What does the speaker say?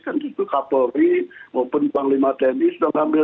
tentu kapolri maupun panglima tenis